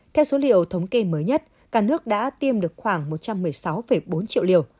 theo số liệu thống kê mới nhất cả nước đã tiêm được khoảng một trăm một mươi sáu bốn triệu liều